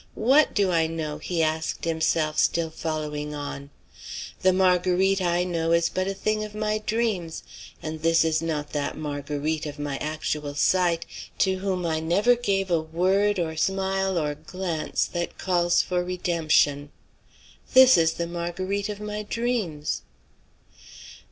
What do I know?" he asked himself, still following on. "The Marguerite I know is but a thing of my dreams, and this is not that Marguerite of my actual sight, to whom I never gave a word or smile or glance that calls for redemption. This is the Marguerite of my dreams."